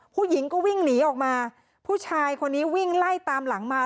ผู้หญิงก็วิ่งหนีออกมาผู้ชายคนนี้วิ่งไล่ตามหลังมา